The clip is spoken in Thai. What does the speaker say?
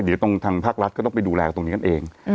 เดี๋ยวตรงทางภาครัฐก็ต้องไปดูแลตรงนี้กันเอง